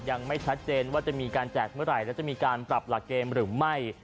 ยังไม่ชัดเจนว่าจะมีการแจกเมื่อไหร่และจะมีการปรับหลักเกณฑ์หรือไม่